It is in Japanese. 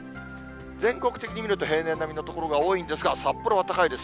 全国的に見ると、平年並みの所が多いんですが、札幌は高いです。